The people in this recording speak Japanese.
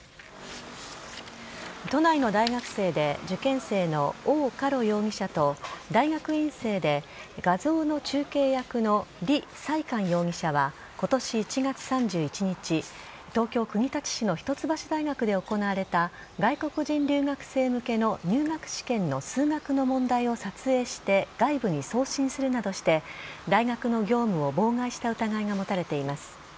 都内の大学生で受験生のオウ・カロウ容疑者と大学院生で画像の中継役のリ・サイカン容疑者は今年１月３１日東京・国立市の一橋大学で行われた外国人留学生向けの入学試験の数学の問題を撮影して外部に送信するなどして大学の業務を妨害した疑いが持たれています。